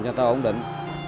cho ta ổn định